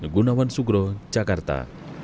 negunawan sugro jakarta